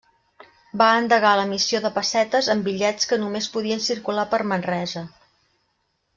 Va endegar l'emissió de pessetes en bitllets que només podien circular per Manresa.